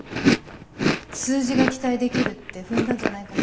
数字が期待できるって踏んだんじゃないかな。